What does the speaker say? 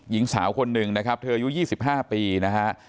ของหญิงสาวคนนึงนะครับอยู่๒๕ปีนะคะ